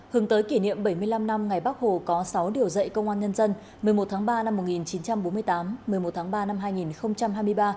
hướng tới kỷ niệm bảy mươi năm năm ngày bắc hồ có sáu điều dạy công an nhân dân một mươi một tháng ba năm một nghìn chín trăm bốn mươi tám một mươi một tháng ba năm hai nghìn hai mươi ba